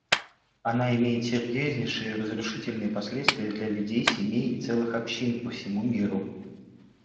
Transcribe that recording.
Она имеет серьезнейшие разрушительные последствия для людей, семей и целых общин по всему миру.